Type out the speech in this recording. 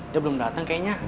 dia belum dateng kayaknya